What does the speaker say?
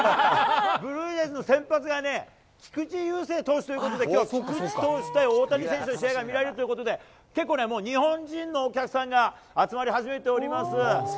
ブルージェイズの先発がね、菊池雄星投手ということで、きょうは菊池対大谷選手の試合が見られるということで、結構ね、もう日本人のお客さんが集まり始めております。